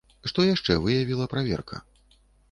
Што яшчэ выявіла праверка?